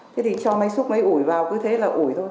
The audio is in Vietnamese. thế thì cho máy xúc ấy ủi vào cứ thế là ủi thôi